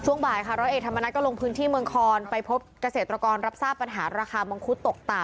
บ่ายค่ะร้อยเอกธรรมนัฐก็ลงพื้นที่เมืองคอนไปพบเกษตรกรรับทราบปัญหาราคามังคุดตกต่ำ